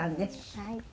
はい。